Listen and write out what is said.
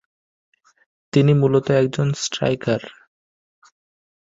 তিনি মূলত একজন স্ট্রাইকার।